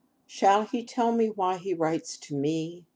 Shall he tell me why he writes to me?